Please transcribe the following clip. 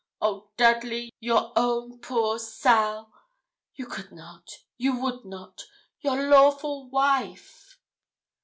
Oh, Dudley, your own poor Sal! You could not you would not your lawful wife!'